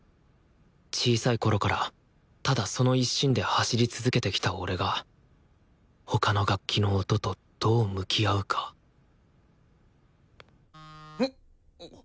小さいころからただその一心で走り続けてきた俺が他の楽器の音とどう向き合うかんっ！